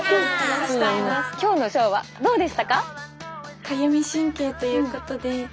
今日のショーはどうでしたか？